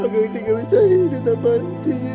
akang tinggal saya di tempat dede